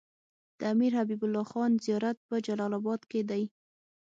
د امير حبيب الله خان زيارت په جلال اباد کی دی